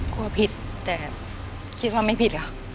กลัวผิดแต่คิดว่าไม่ผิดค่ะ